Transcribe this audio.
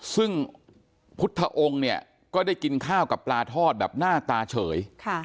ซึ่งพุทธองค์เนี่ยก็ได้กินข้าวกับปลาทอดแบบหน้าตาเฉย